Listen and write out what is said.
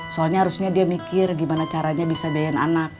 soalnya harusnya dia mikir gimana caranya bisa biayain anak